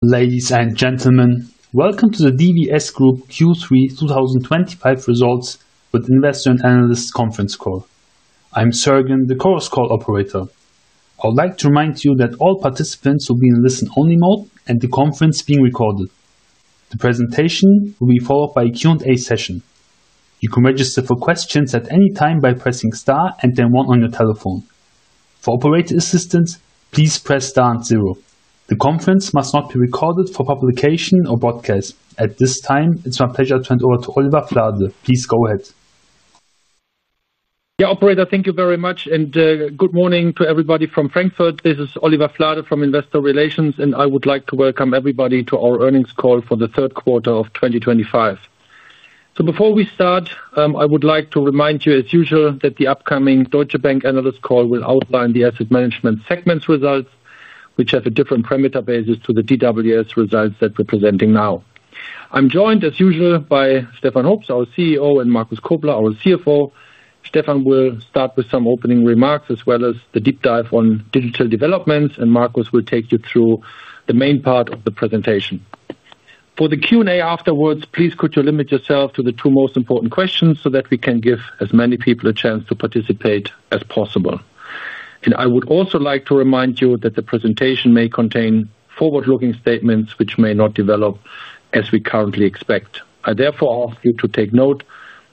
Ladies and gentlemen, welcome to the DWS Group Q3 2025 results with investor and analyst conference call. I'm Sergean, the chorus call operator. I would like to remind you that all participants will be in listen-only mode and the conference is being recorded. The presentation will be followed by a Q&A session. You can register for questions at any time by pressing star and then one on your telephone. For operator assistance, please press star and zero. The conference must not be recorded for publication or broadcast. At this time, it's my pleasure to hand over to Oliver Flade. Please go ahead. Yeah, operator, thank you very much. Good morning to everybody from Frankfurt. This is Oliver Flade from Investor Relations, and I would like to welcome everybody to our earnings call for the third quarter of 2025. Before we start, I would like to remind you, as usual, that the upcoming Deutsche Bank analyst call will outline the asset management segment's results, which have a different parameter basis to the DWS results that we're presenting now. I'm joined, as usual, by Stefan Hoops, our CEO, and Markus Kobler, our CFO. Stefan will start with some opening remarks as well as the deep dive on digital developments, and Markus will take you through the main part of the presentation. For the Q&A afterwards, please could you limit yourself to the two most important questions so that we can give as many people a chance to participate as possible. I would also like to remind you that the presentation may contain forward-looking statements which may not develop as we currently expect. I therefore ask you to take note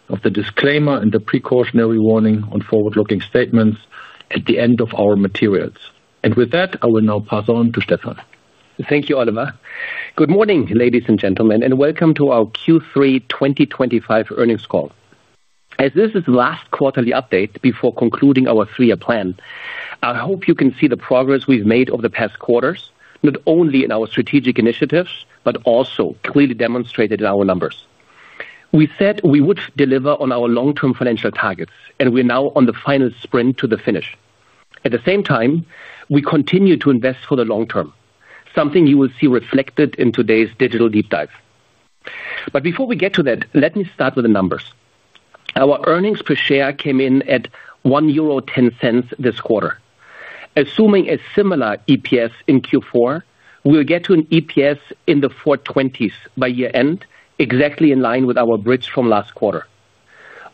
of the disclaimer and the precautionary warning on forward-looking statements at the end of our materials. With that, I will now pass on to Stefan. Thank you, Oliver. Good morning, ladies and gentlemen, and welcome to our Q3 2025 earnings call. As this is the last quarterly update before concluding our three-year plan, I hope you can see the progress we've made over the past quarters, not only in our strategic initiatives, but also clearly demonstrated in our numbers. We said we would deliver on our long-term financial targets, and we're now on the final sprint to the finish. At the same time, we continue to invest for the long term, something you will see reflected in today's digital deep dive. Before we get to that, let me start with the numbers. Our earnings per share came in at 1.10 euro this quarter. Assuming a similar EPS in Q4, we'll get to an EPS in the EUR 4.20s by year end, exactly in line with our bridge from last quarter.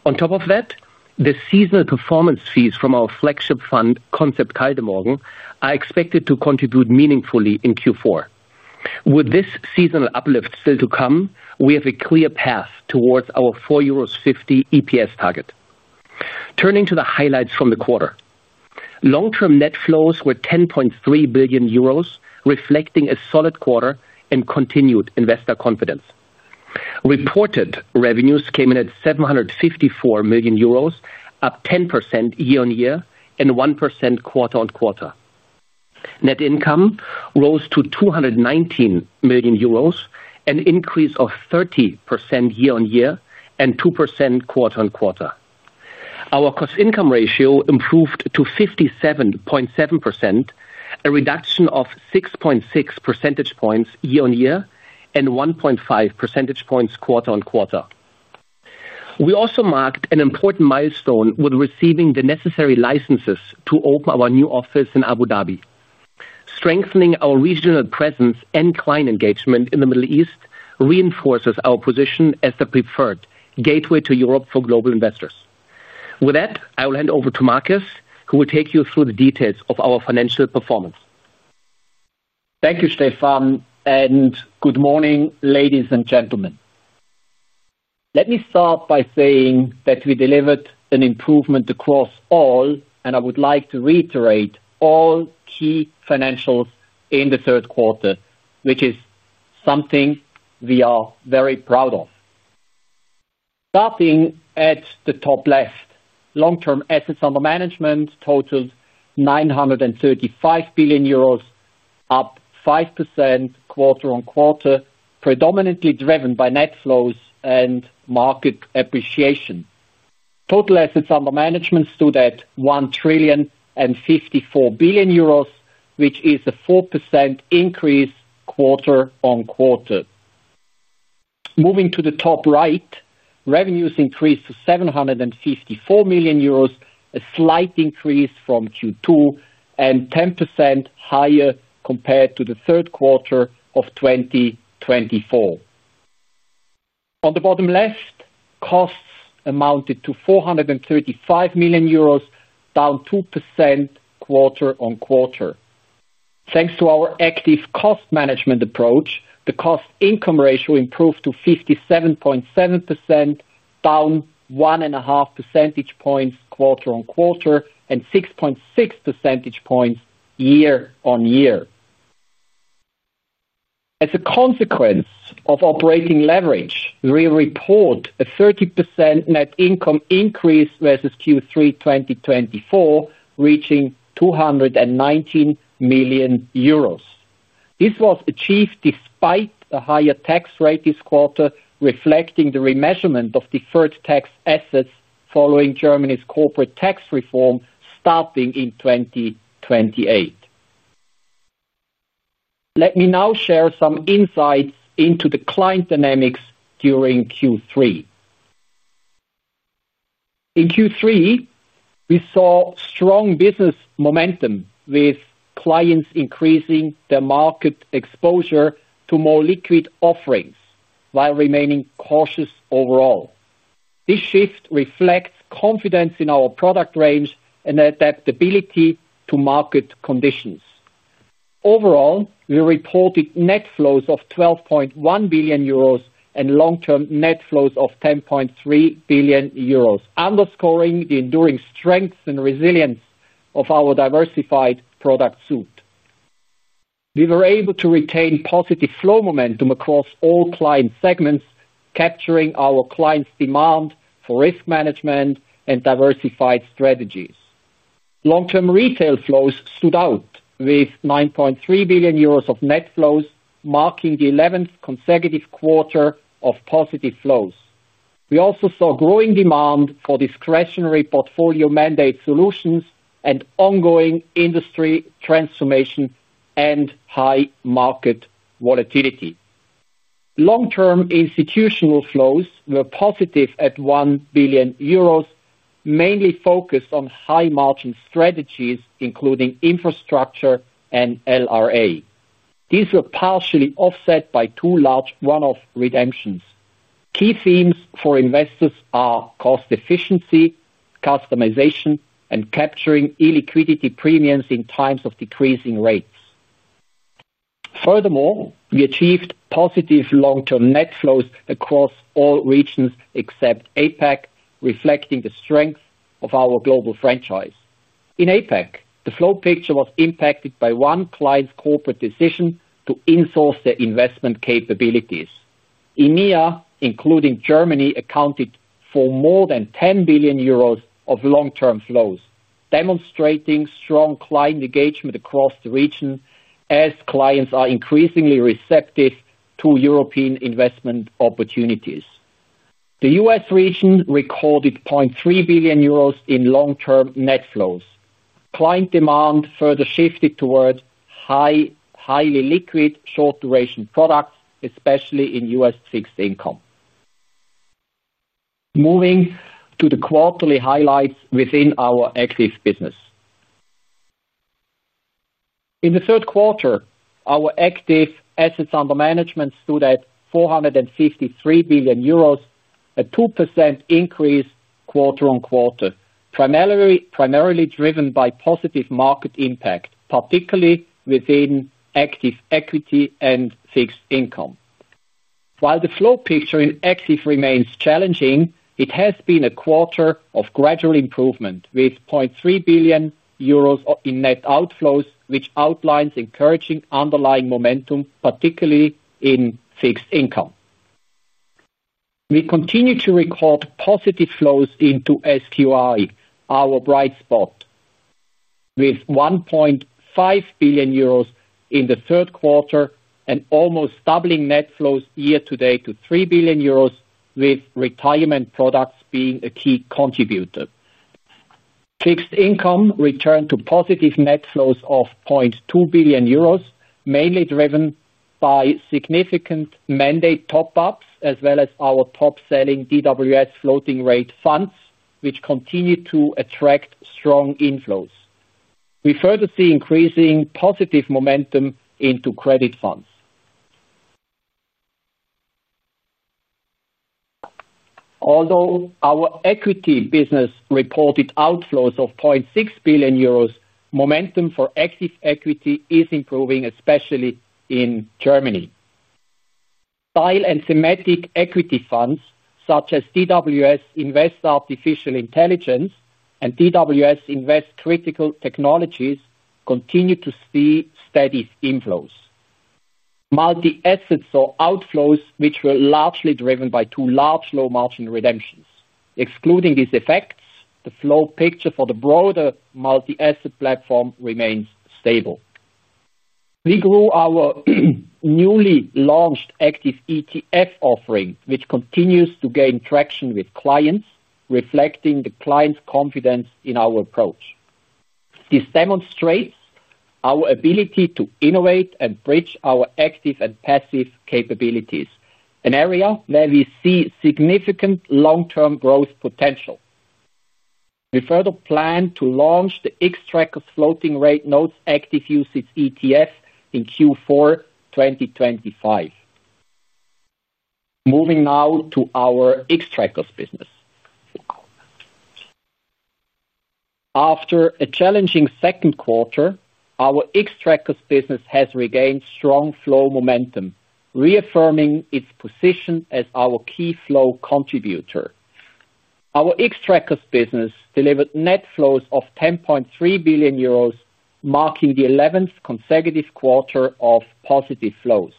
On top of that, the seasonal performance fees from our flagship fund, Concept Kaldemorgen, are expected to contribute meaningfully in Q4. With this seasonal uplift still to come, we have a clear path towards our 4.50 euros EPS target. Turning to the highlights from the quarter, long-term net flows were 10.3 billion euros, reflecting a solid quarter and continued investor confidence. Reported revenues came in at 754 million euros, up 10% year-on-year and 1% quarter-on-quarter. Net income rose to 219 million euros, an increase of 30% year-on-year and 2% quarter-on-quarter. Our cost-income ratio improved to 57.7%, a reduction of 6.6 percentage points year on year and 1.5 percentage points quarter-on-quarter. We also marked an important milestone with receiving the necessary licenses to open our new office in Abu Dhabi. Strengthening our regional presence and client engagement in the Middle East reinforces our position as the preferred gateway to Europe for global investors. With that, I will hand over to Markus, who will take you through the details of our financial performance. Thank you, Stefan, and good morning, ladies and gentlemen. Let me start by saying that we delivered an improvement across all, and I would like to reiterate all key financials in the third quarter, which is something we are very proud of. Starting at the top left, long-term assets under management totaled 935 billion euros, up 5% quarter-on-quarter, predominantly driven by net flows and market appreciation. Total assets under management stood at 1.054 trillion, which is a 4% increase quarter-on-quarter. Moving to the top right, revenues increased to 754 million euros, a slight increase from Q2 and 10% higher compared to the third quarter of 2024. On the bottom left, costs amounted to 435 million euros, down 2% quarter-on-quarter. Thanks to our active cost management approach, the cost-income ratio improved to 57.7%, down 1.5 percentage points quarter-on-quarter and 6.6 percentage points year on year. As a consequence of operating leverage, we report a 30% net income increase versus Q3 2024, reaching 219 million euros. This was achieved despite a higher tax rate this quarter, reflecting the remeasurement of deferred tax assets following Germany's corporate tax reform starting in 2028. Let me now share some insights into the client dynamics during Q3. In Q3, we saw strong business momentum with clients increasing their market exposure to more liquid offerings while remaining cautious overall. This shift reflects confidence in our product range and adaptability to market conditions. Overall, we reported net flows of 12.1 billion euros and long-term net flows of 10.3 billion euros, underscoring the enduring strength and resilience of our diversified product suite. We were able to retain positive flow momentum across all client segments, capturing our clients' demand for risk management and diversified strategies. Long-term retail flows stood out with 9.3 billion euros of net flows, marking the eleventh consecutive quarter of positive flows. We also saw growing demand for discretionary portfolio mandate solutions and ongoing industry transformation and high market volatility. Long-term institutional flows were positive at 1 billion euros, mainly focused on high margin strategies, including infrastructure and liquid real assets. These were partially offset by two large one-off redemptions. Key themes for investors are cost efficiency, customization, and capturing e-liquidity premiums in times of decreasing rates. Furthermore, we achieved positive long-term net flows across all regions except APAC, reflecting the strength of our global franchise. In APAC, the flow picture was impacted by one client's corporate decision to insource their investment capabilities. EMEA, including Germany, accounted for more than 10 billion euros of long-term flows, demonstrating strong client engagement across the region as clients are increasingly receptive to European investment opportunities. The U.S. region recorded 0.3 billion euros in long-term net flows. Client demand further shifted toward highly liquid short-duration products, especially in U.S. fixed income. Moving to the quarterly highlights within our active business, in the third quarter, our active assets under management stood at 453 billion euros, a 2% increase quarter-on-quarter, primarily driven by positive market impact, particularly within active equity and fixed income. While the flow picture in active remains challenging, it has been a quarter of gradual improvement with 0.3 billion euros in net outflows, which outlines encouraging underlying momentum, particularly in fixed income. We continue to record positive flows into SQI, our bright spot, with 1.5 billion euros in the third quarter and almost doubling net flows year to date to 3 billion euros, with retirement products being a key contributor. Fixed income returned to positive net flows of 0.2 billion euros, mainly driven by significant mandate top-ups as well as our top-selling DWS floating rate funds, which continue to attract strong inflows. We further see increasing positive momentum into credit funds. Although our equity business reported outflows of 0.6 billion euros, momentum for active equity is improving, especially in Germany. Bioinformatics equity funds, such as DWS Invest Artificial Intelligence and DWS Invest Critical Technologies, continue to see steady inflows. Multi-assets saw outflows, which were largely driven by two large low margin redemptions. Excluding these effects, the flow picture for the broader multi-asset platform remains stable. We grew our newly launched active ETF offering, which continues to gain traction with clients, reflecting the client's confidence in our approach. This demonstrates our ability to innovate and bridge our active and passive capabilities, an area where we see significant long-term growth potential. We further plan to launch the Xtrackers floating rate notes active UCITS ETF in Q4 2025. Moving now to our Xtrackers business. After a challenging second quarter, our Xtrackers business has regained strong flow momentum, reaffirming its position as our key flow contributor. Our Xtrackers business delivered net flows of 10.3 billion euros, marking the eleventh consecutive quarter of positive flows.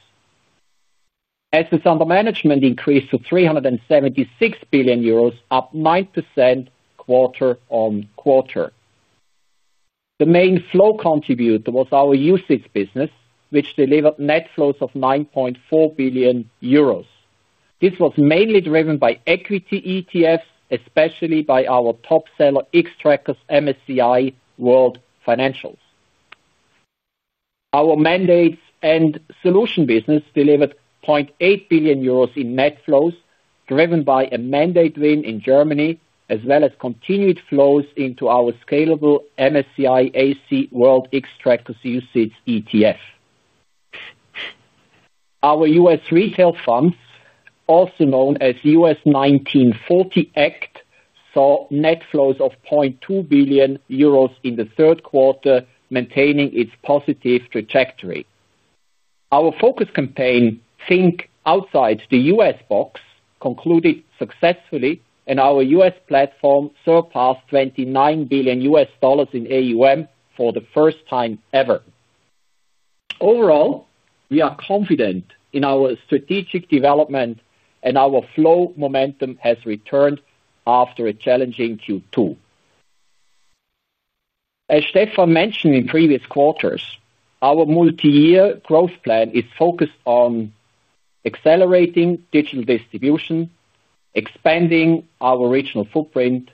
Assets under management increased to 376 billion euros, up 9% quarter-on-quarter. The main flow contributor was our UCITS business, which delivered net flows of 9.4 billion euros. This was mainly driven by equity ETFs, especially by our top seller, Xtrackers MSCI World Financials. Our mandates and solution business delivered 0.8 billion euros in net flows, driven by a mandate win in Germany, as well as continued flows into our scalable MSCI AC World Xtrackers UCITS ETF. Our U.S. retail funds, also known as U.S. 1940 Act, saw net flows of 0.2 billion euros in the third quarter, maintaining its positive trajectory. Our focus campaign, Think Outside the U.S. Box, concluded successfully, and our U.S. platform surpassed $29 billion in AUM for the first time ever. Overall, we are confident in our strategic development, and our flow momentum has returned after a challenging Q2. As Stefan mentioned in previous quarters, our multi-year growth plan is focused on accelerating digital distribution, expanding our regional footprint,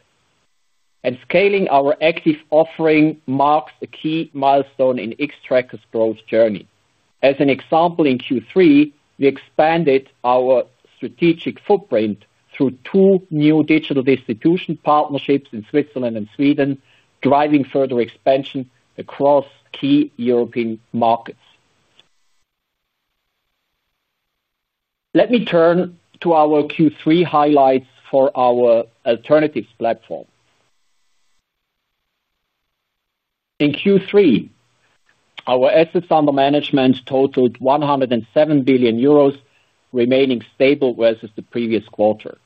and scaling our active offering marks a key milestone in Xtrackers' growth journey. As an example, in Q3, we expanded our strategic footprint through two new digital distribution partnerships in Switzerland and Sweden, driving further expansion across key European markets. Let me turn to our Q3 highlights for our alternatives platform. In Q3, our assets under management totaled 107 billion euros, remaining stable versus the previous quarter.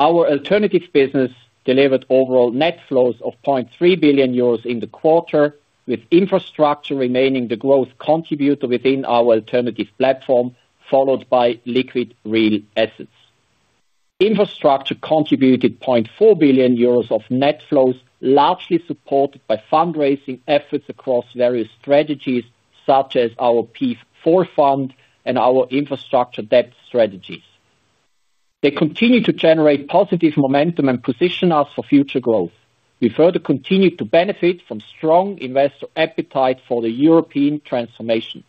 Our alternatives business delivered overall net flows of 0.3 billion euros in the quarter, with infrastructure remaining the growth contributor within our alternative platform, followed by liquid real assets. Infrastructure contributed 0.4 billion euros of net flows, largely supported by fundraising efforts across various strategies, such as our PEIF IV fund and our infrastructure debt strategies. They continue to generate positive momentum and position us for future growth. We further continue to benefit from strong investor appetite for the European transformation.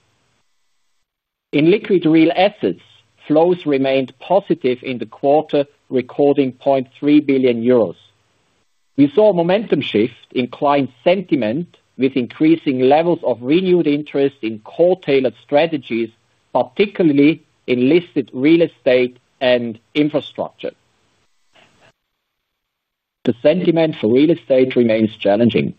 In liquid real assets, flows remained positive in the quarter, recording 0.3 billion euros. We saw a momentum shift in client sentiment, with increasing levels of renewed interest in core tailored strategies, particularly in listed real estate and infrastructure. The sentiment for real estate remains challenging.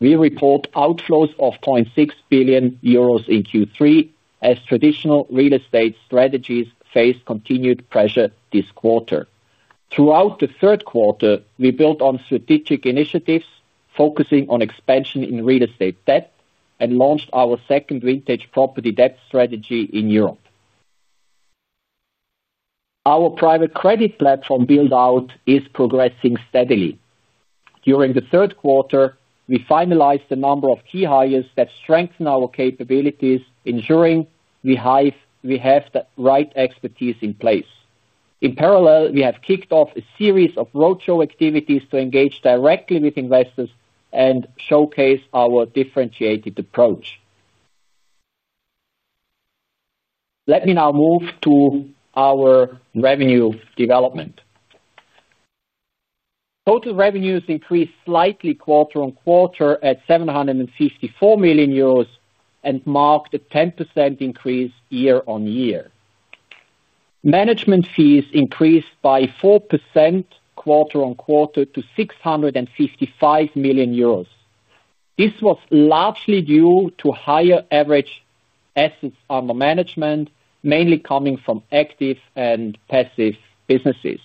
We report outflows of 0.6 billion euros in Q3, as traditional real estate strategies face continued pressure this quarter. Throughout the third quarter, we built on strategic initiatives, focusing on expansion in real estate debt, and launched our second vintage property debt strategy in Europe. Our private credit platform build-out is progressing steadily. During the third quarter, we finalized a number of key hires that strengthen our capabilities, ensuring we have the right expertise in place. In parallel, we have kicked off a series of roadshow activities to engage directly with investors and showcase our differentiated approach. Let me now move to our revenue development. Total revenues increased slightly quarter-on-quarter at 754 million euros and marked a 10% increase year on year. Management fees increased by 4% quarter-on-quarter to 655 million euros. This was largely due to higher average assets under management, mainly coming from active and passive businesses.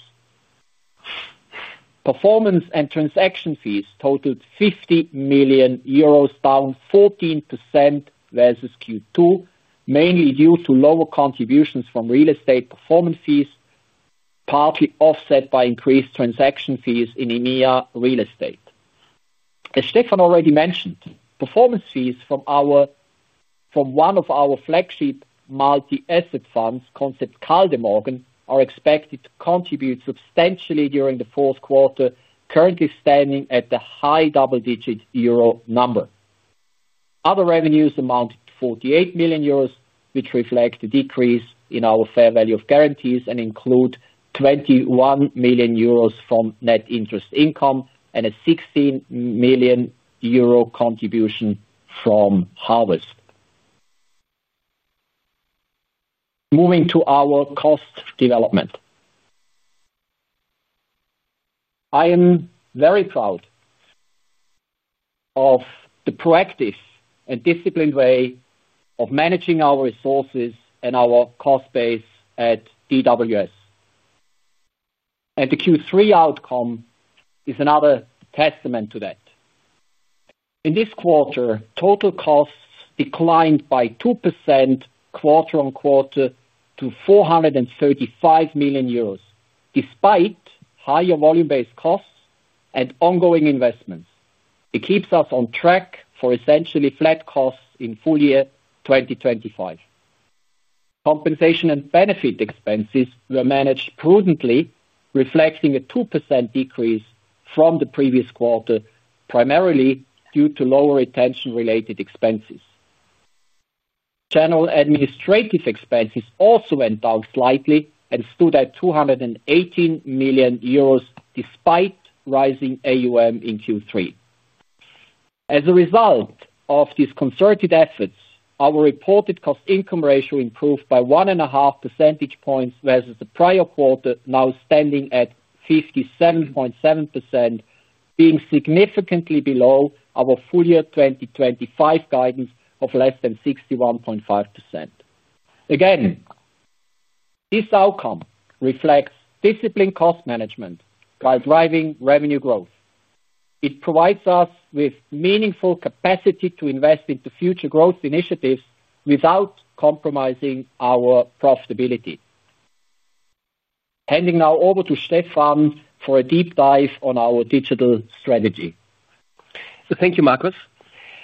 Performance and transaction fees totaled 50 million euros, down 14% versus Q2, mainly due to lower contributions from real estate performance fees, partly offset by increased transaction fees in EMEA real estate. As Stefan already mentioned, performance fees from one of our flagship multi-asset funds, Concept Kaldemorgen, are expected to contribute substantially during the fourth quarter, currently standing at the high double-digit euro number. Other revenues amounted to 48 million euros, which reflect a decrease in our fair value of guarantees and include 21 million euros from net interest income and a 16 million euro contribution from harvest. Moving to our cost development. I am very proud of the proactive and disciplined way of managing our resources and our cost base at DWS. The Q3 outcome is another testament to that. In this quarter, total costs declined by 2% quarter-on-quarter to 435 million euros, despite higher volume-based costs and ongoing investments. It keeps us on track for essentially flat costs in full year 2025. Compensation and benefit expenses were managed prudently, reflecting a 2% decrease from the previous quarter, primarily due to lower retention-related expenses. General administrative expenses also went down slightly and stood at 218 million euros, despite rising AUM in Q3. As a result of these concerted efforts, our reported cost-income ratio improved by 1.5 percentage points versus the prior quarter, now standing at 57.7%, being significantly below our full year 2025 guidance of less than 61.5%. This outcome reflects disciplined cost management while driving revenue growth. It provides us with meaningful capacity to invest into future growth initiatives without compromising our profitability. Handing now over to Stefan for a deep dive on our digital strategy. Thank you, Markus.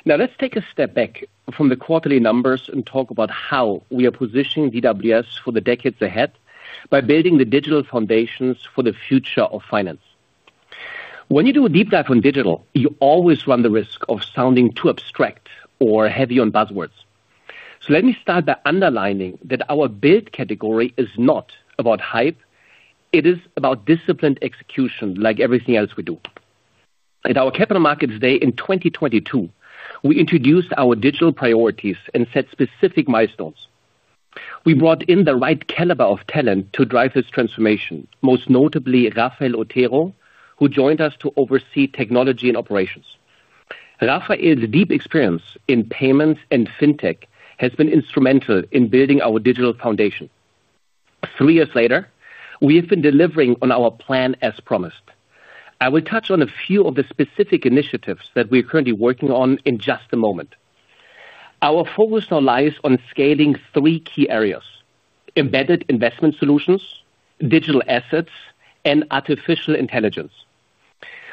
Now let's take a step back from the quarterly numbers and talk about how we are positioning DWS for the decades ahead by building the digital foundations for the future of finance. When you do a deep dive on digital, you always run the risk of sounding too abstract or heavy on buzzwords. Let me start by underlining that our build category is not about hype. It is about disciplined execution, like everything else we do. At our Capital Markets Day in 2022, we introduced our digital priorities and set specific milestones. We brought in the right caliber of talent to drive this transformation, most notably Rafael Otero, who joined us to oversee Technology and Operations. Rafael's deep experience in payments and fintech has been instrumental in building our digital foundation. Three years later, we have been delivering on our plan as promised. I will touch on a few of the specific initiatives that we are currently working on in just a moment. Our focus now lies on scaling three key areas: embedded investment solutions, digital assets, and artificial intelligence.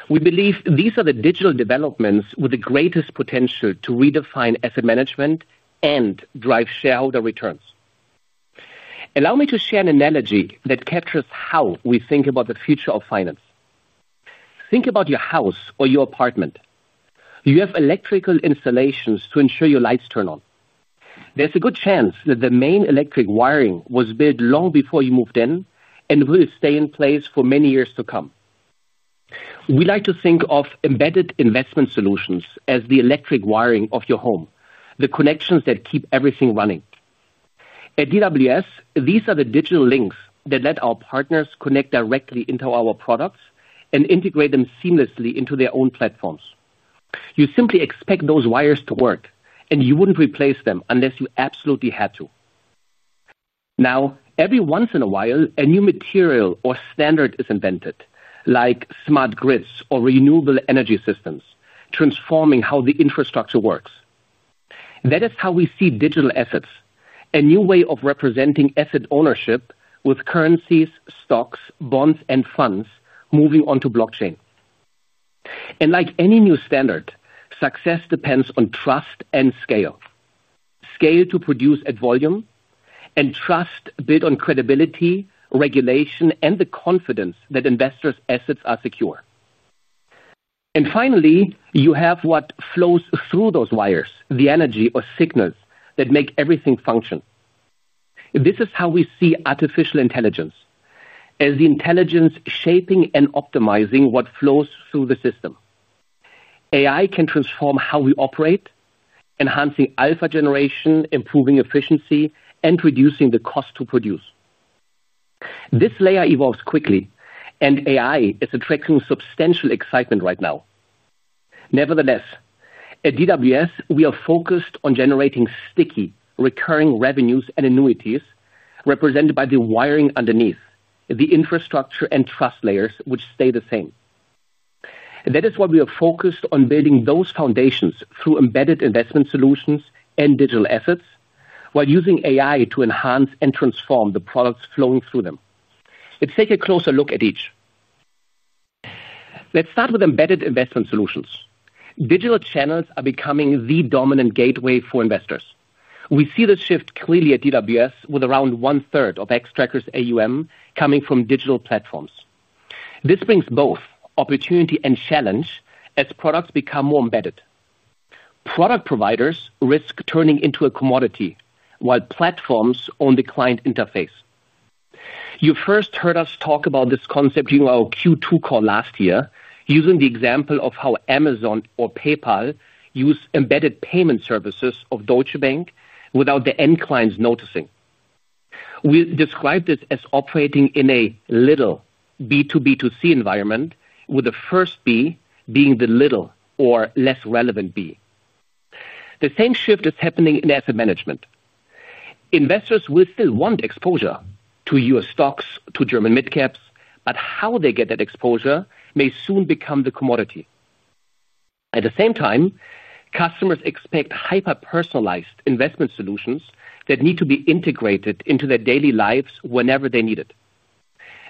We believe these are the digital developments with the greatest potential to redefine asset management and drive shareholder returns. Allow me to share an analogy that captures how we think about the future of finance. Think about your house or your apartment. You have electrical installations to ensure your lights turn on. There's a good chance that the main electric wiring was built long before you moved in and will stay in place for many years to come. We like to think of embedded investment solutions as the electric wiring of your home, the connections that keep everything running. At DWS, these are the digital links that let our partners connect directly into our products and integrate them seamlessly into their own platforms. You simply expect those wires to work, and you wouldn't replace them unless you absolutely had to. Every once in a while, a new material or standard is invented, like smart grids or renewable energy systems, transforming how the infrastructure works. That is how we see digital assets, a new way of representing asset ownership with currencies, stocks, bonds, and funds moving onto blockchain. Like any new standard, success depends on trust and scale. Scale to produce at volume and trust built on credibility, regulation, and the confidence that investors' assets are secure. Finally, you have what flows through those wires, the energy or signals that make everything function. This is how we see artificial intelligence as the intelligence shaping and optimizing what flows through the system. AI can transform how we operate, enhancing alpha generation, improving efficiency, and reducing the cost to produce. This layer evolves quickly, and AI is attracting substantial excitement right now. Nevertheless, at DWS, we are focused on generating sticky, recurring revenues and annuities represented by the wiring underneath, the infrastructure and trust layers, which stay the same. That is why we are focused on building those foundations through embedded investment solutions and digital assets, while using AI to enhance and transform the products flowing through them. Let's take a closer look at each. Let's start with embedded investment solutions. Digital channels are becoming the dominant gateway for investors. We see this shift clearly at DWS, with around one third of Xtrackers' AUM coming from digital platforms. This brings both opportunity and challenge as products become more embedded. Product providers risk turning into a commodity, while platforms own the client interface. You first heard us talk about this concept during our Q2 call last year, using the example of how Amazon or PayPal use embedded payment services of Deutsche Bank without the end clients noticing. We describe this as operating in a little B2B2C environment, with the first B being the little or less relevant B. The same shift is happening in asset management. Investors will still want exposure to U.S. stocks, to German midcaps, but how they get that exposure may soon become the commodity. At the same time, customers expect hyper-personalized investment solutions that need to be integrated into their daily lives whenever they need it.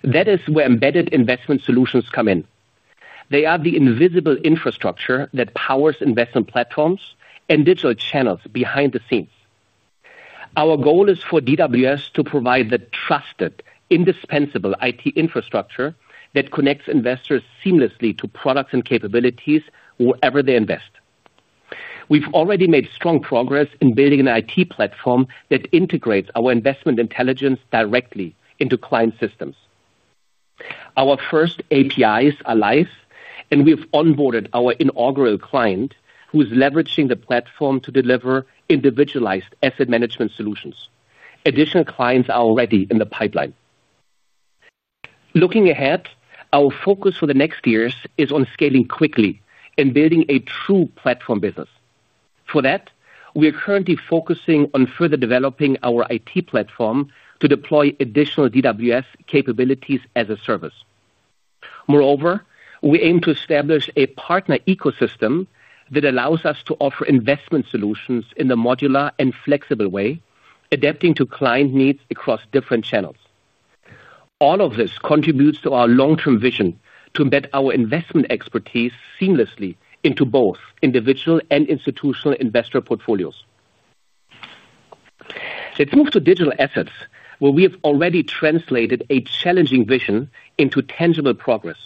That is where embedded investment solutions come in. They are the invisible infrastructure that powers investment platforms and digital channels behind the scenes. Our goal is for DWS to provide the trusted, indispensable IT infrastructure that connects investors seamlessly to products and capabilities wherever they invest. We've already made strong progress in building an IT platform that integrates our investment intelligence directly into client systems. Our first APIs are live, and we've onboarded our inaugural client, who is leveraging the platform to deliver individualized asset management solutions. Additional clients are already in the pipeline. Looking ahead, our focus for the next years is on scaling quickly and building a true platform business. For that, we are currently focusing on further developing our IT platform to deploy additional DWS capabilities as a service. Moreover, we aim to establish a partner ecosystem that allows us to offer investment solutions in a modular and flexible way, adapting to client needs across different channels. All of this contributes to our long-term vision to embed our investment expertise seamlessly into both individual and institutional investor portfolios. Let's move to digital assets, where we have already translated a challenging vision into tangible progress.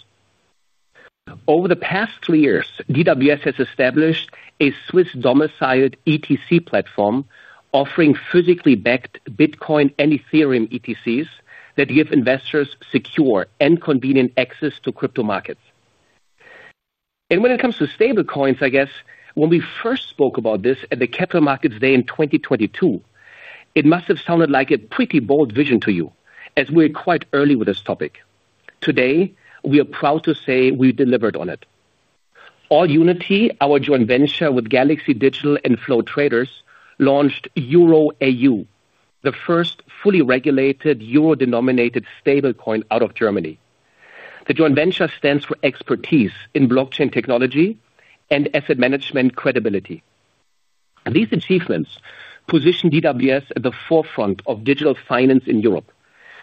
Over the past three years, DWS has established a Swiss-domiciled ETC platform, offering physically backed Bitcoin and Ethereum ETCs that give investors secure and convenient access to crypto markets. When it comes to stablecoins, I guess when we first spoke about this at the Capital Markets Day in 2022, it must have sounded like a pretty bold vision to you, as we're quite early with this topic. Today, we are proud to say we delivered on it. AllUnity, our joint venture with Galaxy Digital and Flow Traders, launched EURAU, the first fully regulated Euro-denominated stablecoin out of Germany. The joint venture stands for expertise in blockchain technology and asset management credibility. These achievements position DWS at the forefront of digital finance in Europe,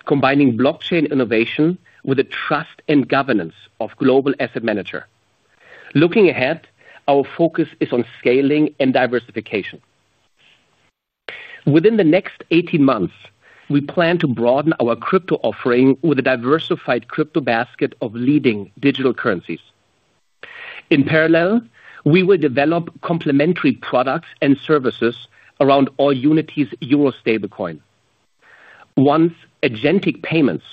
combining blockchain innovation with the trust and governance of global asset management. Looking ahead, our focus is on scaling and diversification. Within the next 18 months, we plan to broaden our crypto offering with a diversified crypto basket of leading digital currencies. In parallel, we will develop complementary products and services around AllUnity's Euro stablecoin. Once agentic payments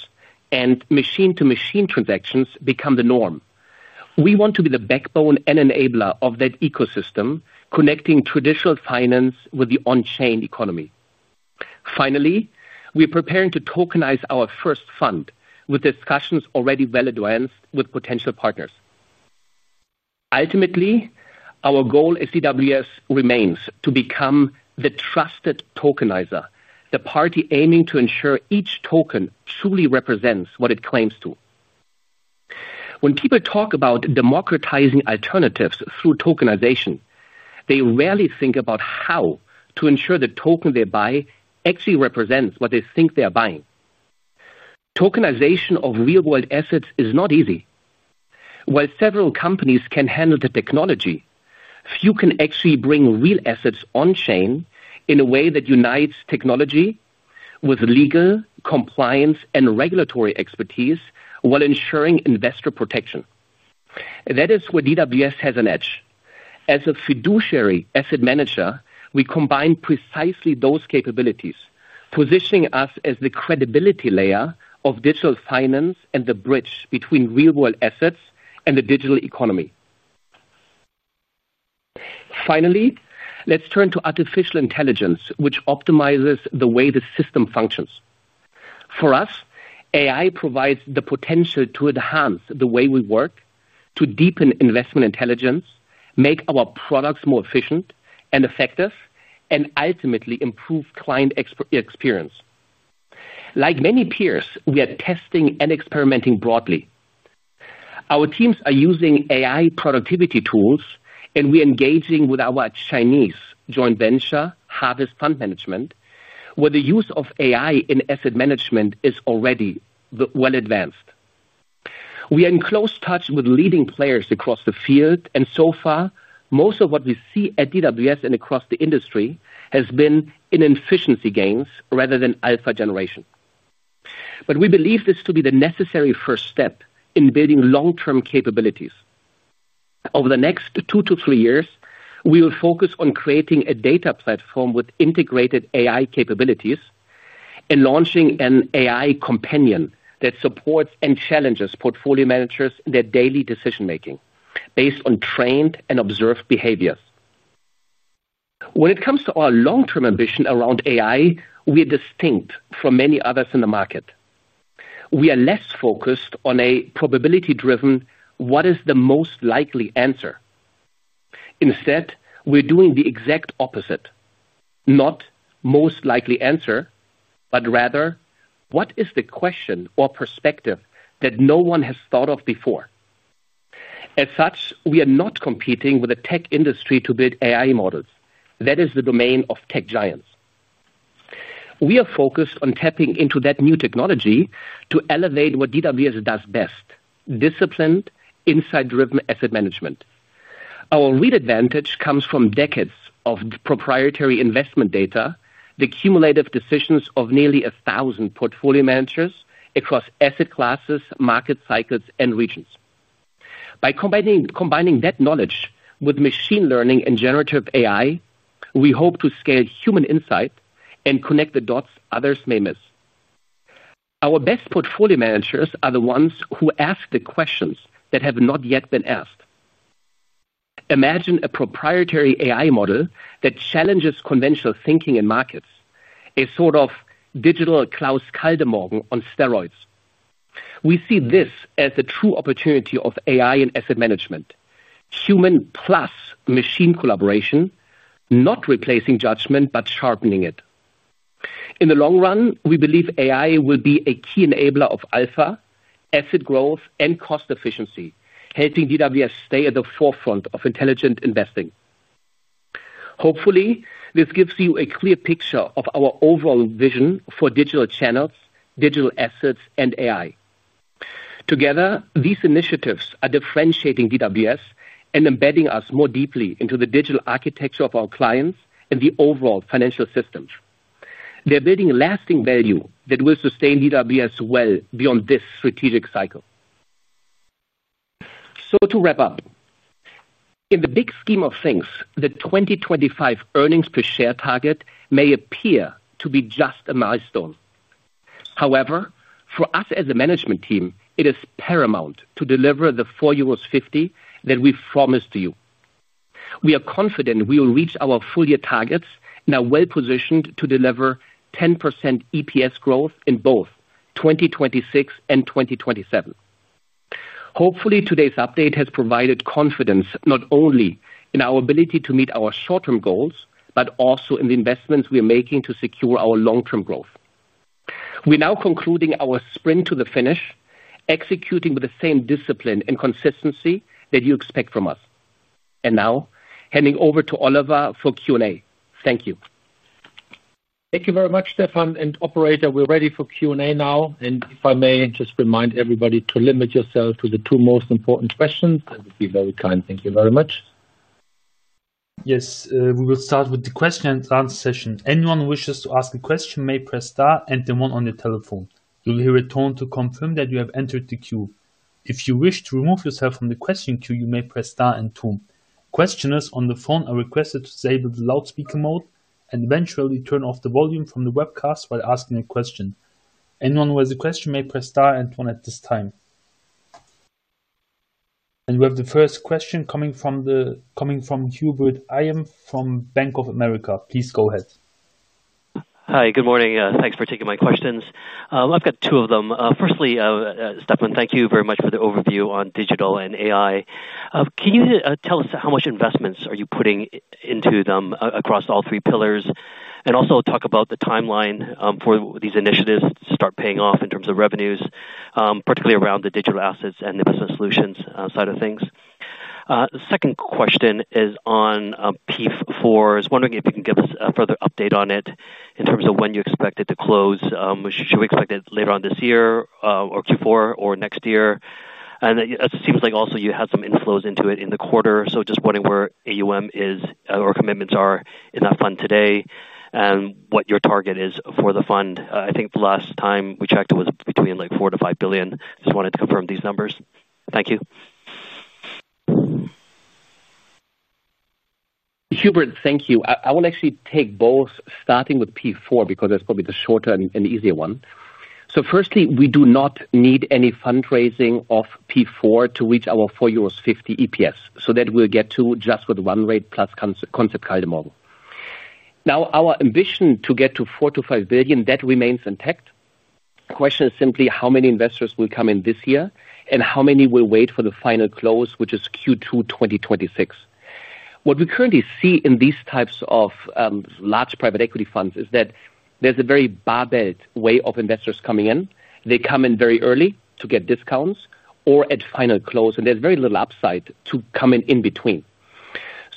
and machine-to-machine transactions become the norm, we want to be the backbone and enabler of that ecosystem, connecting traditional finance with the on-chain economy. Finally, we are preparing to tokenize our first fund, with discussions already well advanced with potential partners. Ultimately, our goal as DWS remains to become the trusted tokenizer, the party aiming to ensure each token truly represents what it claims to. When people talk about democratizing alternatives through tokenization, they rarely think about how to ensure the token they buy actually represents what they think they are buying. Tokenization of real-world assets is not easy. While several companies can handle the technology, few can actually bring real assets on chain in a way that unites technology with legal compliance and regulatory expertise while ensuring investor protection. That is where DWS has an edge. As a fiduciary asset manager, we combine precisely those capabilities, positioning us as the credibility layer of digital finance and the bridge between real-world assets and the digital economy. Finally, let's turn to artificial intelligence, which optimizes the way the system functions. For us, AI provides the potential to enhance the way we work, to deepen investment intelligence, make our products more efficient and effective, and ultimately improve client experience. Like many peers, we are testing and experimenting broadly. Our teams are using AI productivity tools, and we're engaging with our Chinese joint venture, Harvest Fund Management, where the use of AI in asset management is already well advanced. We are in close touch with leading players across the field, and so far, most of what we see at DWS and across the industry has been inefficiency gains rather than alpha generation. We believe this to be the necessary first step in building long-term capabilities. Over the next two to three years, we will focus on creating a data platform with integrated AI capabilities and launching an AI companion that supports and challenges portfolio managers in their daily decision-making based on trained and observed behaviors. When it comes to our long-term ambition around AI, we are distinct from many others in the market. We are less focused on a probability-driven "what is the most likely answer?" Instead, we're doing the exact opposite: not "most likely answer," but rather, "what is the question or perspective that no one has thought of before?" As such, we are not competing with the tech industry to build AI models. That is the domain of tech giants. We are focused on tapping into that new technology to elevate what DWS does best: disciplined, insight-driven asset management. Our real advantage comes from decades of proprietary investment data, the cumulative decisions of nearly a thousand portfolio managers across asset classes, market cycles, and regions. By combining that knowledge with machine learning and generative AI, we hope to scale human insight and connect the dots others may miss. Our best portfolio managers are the ones who ask the questions that have not yet been asked. Imagine a proprietary AI model that challenges conventional thinking in markets, a sort of digital Klaus Kaldemorgen on steroids. We see this as the true opportunity of AI in asset management: human plus machine collaboration, not replacing judgment but sharpening it. In the long run, we believe AI will be a key enabler of alpha, asset growth, and cost efficiency, helping DWS stay at the forefront of intelligent investing. Hopefully, this gives you a clear picture of our overall vision for digital channels, digital assets, and AI. Together, these initiatives are differentiating DWS and embedding us more deeply into the digital architecture of our clients and the overall financial systems. They're building lasting value that will sustain DWS well beyond this strategic cycle. To wrap up, in the big scheme of things, the 2025 earnings per share target may appear to be just a milestone. However, for us as a management team, it is paramount to deliver the 4.50 euros that we promised to you. We are confident we will reach our full-year targets and are well-positioned to deliver 10% EPS growth in both 2026 and 2027. Hopefully, today's update has provided confidence not only in our ability to meet our short-term goals but also in the investments we are making to secure our long-term growth. We're now concluding our sprint to the finish, executing with the same discipline and consistency that you expect from us. Now, handing over to Oliver for Q&A. Thank you. Thank you very much, Stefan, and operator. We're ready for Q&A now. If I may just remind everybody to limit yourself to the two most important questions, that would be very kind. Thank you very much. Yes, we will start with the question-and-answer session. Anyone who wishes to ask a question may press star and the one on your telephone. You will hear a tone to confirm that you have entered the queue. If you wish to remove yourself from the question queue, you may press star and the tone. Questioners on the phone are requested to disable the loudspeaker mode and eventually turn off the volume from the webcast while asking a question. Anyone who has a question may press star and the tone at this time. We have the first question coming from Hubert. I am from Bank of America. Please go ahead. Hi, good morning. Thanks for taking my questions. I've got two of them. Firstly, Stefan, thank you very much for the overview on digital and AI. Can you tell us how much investments are you putting into them across all three pillars? Also, talk about the timeline for these initiatives to start paying off in terms of revenues, particularly around the digital assets and the business solutions side of things. The second question is on PEIF IV. I was wondering if you can give us a further update on it in terms of when you expect it to close. Should we expect it later on this year or Q4 or next year? It seems like also you had some inflows into it in the quarter, so just wondering where AUM is or commitments are in that fund today and what your target is for the fund. I think the last time we checked it was between 4 billion-5 billion. Just wanted to confirm these numbers. Thank you. Hubert, thank you. I will actually take both, starting with PEIF IV because that's probably the shorter and easier one. Firstly, we do not need any fundraising of PEIF IV to reach our 4.50 euros EPS. We will get to that just with one rate plus Concept Kaldemorgen. Our ambition to get to 4 billion-5 billion remains intact. The question is simply how many investors will come in this year and how many will wait for the final close, which is Q2 2026. What we currently see in these types of large private equity funds is that there's a very barbelled way of investors coming in. They come in very early to get discounts or at final close, and there's very little upside to coming in between.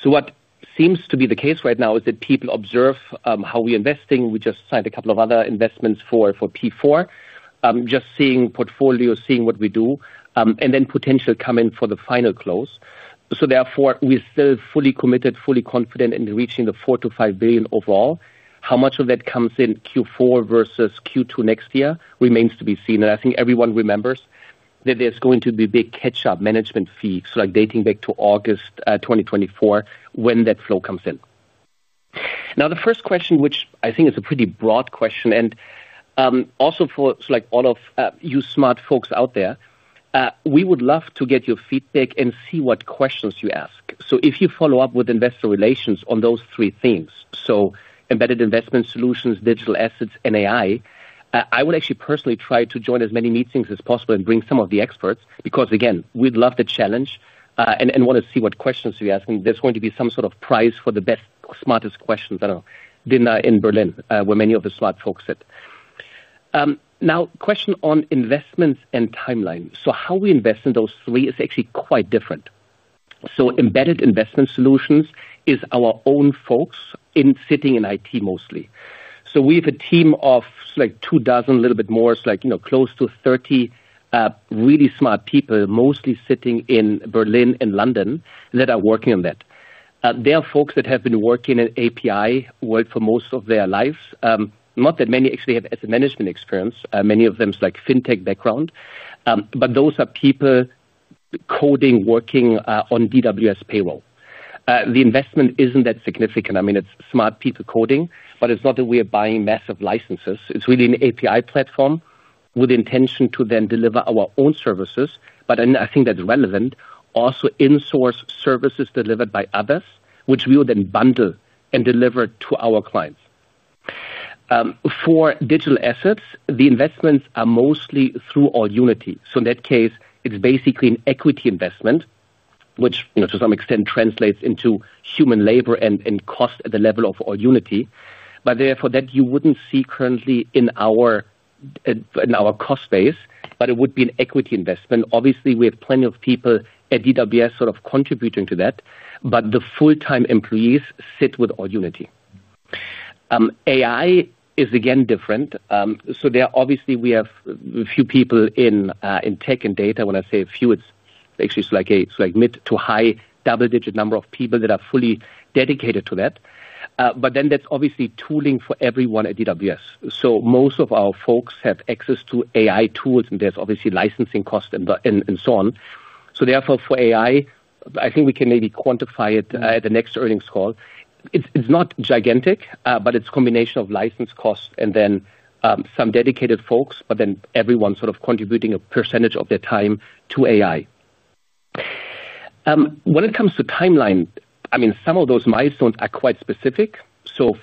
What seems to be the case right now is that people observe how we're investing. We just signed a couple of other investments for PEIF IV, just seeing portfolios, seeing what we do, and then potentially come in for the final close. Therefore, we're still fully committed, fully confident in reaching the 4 billion-5 billion overall. How much of that comes in Q4 versus Q2 next year remains to be seen. I think everyone remembers that there's going to be a big catch-up management fee, dating back to August 2024 when that flow comes in. The first question, which I think is a pretty broad question, and also for all of you smart folks out there, we would love to get your feedback and see what questions you ask. If you follow up with Investor Relations on those three themes, so embedded investment solutions, digital assets, and AI, I would actually personally try to join as many meetings as possible and bring some of the experts because we would love the challenge and want to see what questions you ask. There's going to be some sort of prize for the best, smartest questions, I don't know, dinner in Berlin where many of the smart folks sit. Now, question on investments and timeline. How we invest in those three is actually quite different. Embedded investment solutions is our own folks sitting in IT mostly. We have a team of like two dozen, a little bit more, so like close to 30 really smart people, mostly sitting in Berlin and London, that are working on that. There are folks that have been working in the API world for most of their lives. Not that many actually have asset management experience. Many of them have fintech background. Those are people coding, working on DWS payroll. The investment isn't that significant. I mean, it's smart people coding, but it's not that we are buying massive licenses. It's really an API platform with the intention to then deliver our own services. I think that's relevant. Also, insource services delivered by others, which we will then bundle and deliver to our clients. For digital assets, the investments are mostly through AllUnity. In that case, it's basically an equity investment, which to some extent translates into human labor and cost at the level of AllUnity. Therefore, you wouldn't see that currently in our cost base, but it would be an equity investment. Obviously, we have plenty of people at DWS sort of contributing to that, but the full-time employees sit with AllUnity. AI is again different. There, obviously, we have a few people in tech and data. When I say a few, it's actually like a mid to high double-digit number of people that are fully dedicated to that. That's obviously tooling for everyone at DWS. Most of our folks have access to AI tools, and there's obviously licensing costs and so on. Therefore, for AI, I think we can maybe quantify it at the next earnings call. It's not gigantic, but it's a combination of license costs and then some dedicated folks, but then everyone sort of contributing a percentage of their time to AI. When it comes to timeline, some of those milestones are quite specific.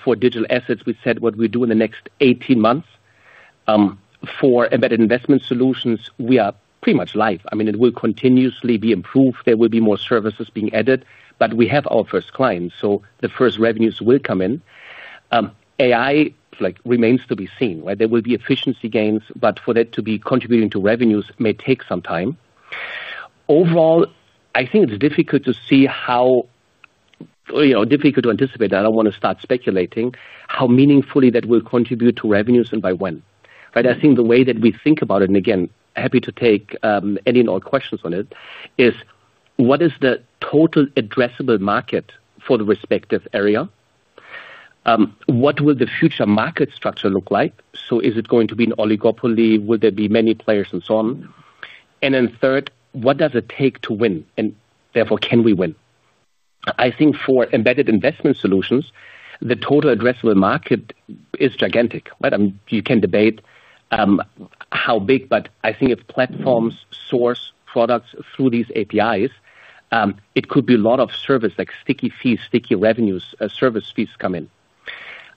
For digital assets, we said what we do in the next 18 months. For embedded investment solutions, we are pretty much live. It will continuously be improved. There will be more services being added, but we have our first clients, so the first revenues will come in. AI remains to be seen. There will be efficiency gains, but for that to be contributing to revenues may take some time. Overall, I think it's difficult to see how, you know, difficult to anticipate. I don't want to start speculating how meaningfully that will contribute to revenues and by when. I think the way that we think about it, and again, happy to take any and all questions on it, is what is the total addressable market for the respective area? What will the future market structure look like? Is it going to be an oligopoly? Will there be many players and so on? Third, what does it take to win? Therefore, can we win? I think for embedded investment solutions, the total addressable market is gigantic. You can debate how big, but I think if platforms source products through these APIs, it could be a lot of service, like sticky fees, sticky revenues, service fees come in.